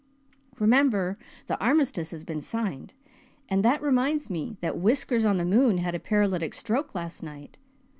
Remember, the Armistice has been signed. And that reminds me that Whiskers on the moon had a paralytic stroke last night.